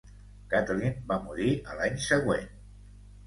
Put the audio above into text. Kathleen va morir a l'any següent.